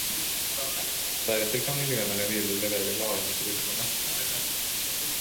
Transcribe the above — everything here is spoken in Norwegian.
Deretter kan miljøvennlige biler levere varene til butikkene.